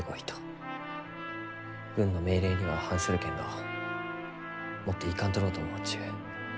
軍の命令には反するけんど持っていかんとろうと思うちゅう。